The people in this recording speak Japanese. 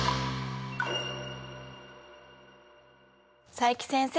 佐伯先生